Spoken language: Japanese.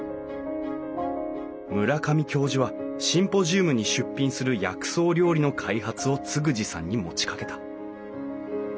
村上教授はシンポジウムに出品する薬草料理の開発を嗣二さんに持ちかけた。